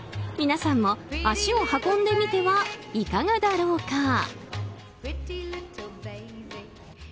皆さんも足を運んでみてはいかがだろうか。